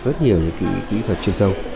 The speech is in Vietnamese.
rất nhiều những kỹ thuật chuyên sâu